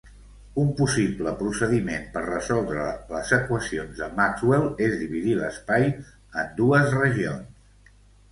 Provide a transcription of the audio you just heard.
Un possible procediment per resoldre les equacions de Maxwell és dividir l'espai en dues regions.